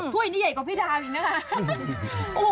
ถ้วยนี่ใหญ่กว่าพี่ดาวอีกนะคะ